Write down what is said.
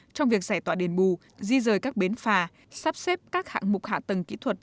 trong việc giải tỏa đền bù di rời các bến phà sắp xếp các hạng mục hạ tầng kỹ thuật